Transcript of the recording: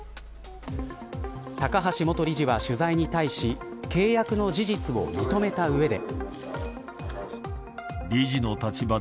高橋元理事は取材に対し契約の事実を認めた上で。